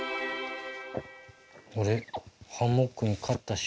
あれ？